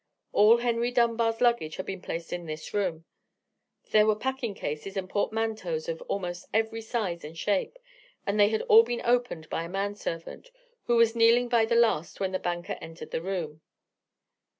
All Henry Dunbar's luggage had been placed in this room. There were packing cases and portmanteaus of almost every size and shape, and they had all been opened by a man servant, who was kneeling by the last when the banker entered the room.